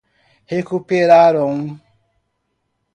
recuperaron